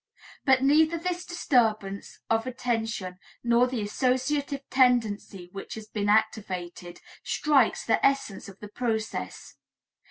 But neither this disturbance of attention nor the associative tendency which has been activated, strikes the essence of the process.